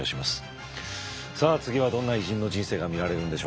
さあ次はどんな偉人の人生が見られるんでしょうか。